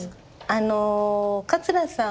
あの桂さん